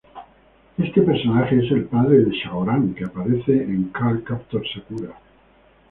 Este personaje es el padre del Shaoran que aparece en Card Captor Sakura.